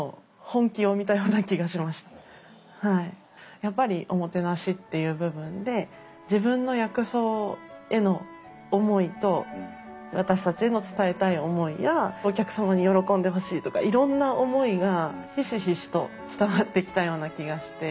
やっぱりおもてなしっていう部分で自分の薬草への思いと私たちへの伝えたい思いやお客様に喜んでほしいとかいろんな思いがひしひしと伝わってきたような気がして。